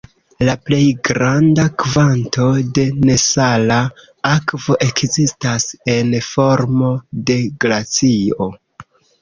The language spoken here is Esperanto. La plej granda kvanto de nesala akvo ekzistas en formo de glacio.